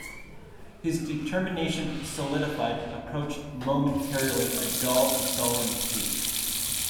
His determination solidified, approached momentarily a dull and sullen hate.